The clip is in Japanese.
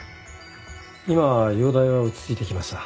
今は容体は落ち着いてきました。